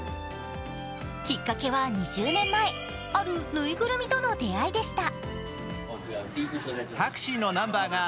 きっかけは２０年前ある縫いぐるみとの出会いでした。